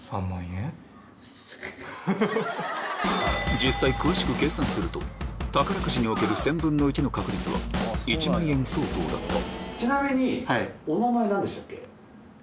実際詳しく計算すると宝くじにおける１０００分の１の確率は１万円相当だっただから。